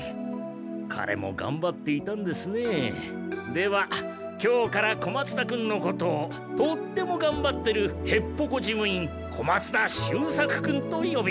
では今日から小松田君のことをとってもがんばってるへっぽこ事務員小松田秀作君とよびましょう。